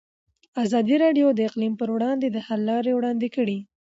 ازادي راډیو د اقلیم پر وړاندې د حل لارې وړاندې کړي.